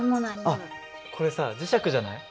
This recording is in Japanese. あっこれさ磁石じゃない？